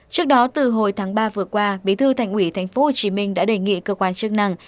trước đó từ hồi tháng ba vừa qua bí thư thành ủy tp hcm đã đề nghị cơ quan chức năng